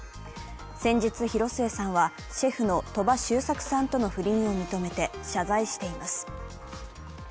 先日広末さんは、シェフの鳥羽周作さんとの不倫を認めて謝罪しています。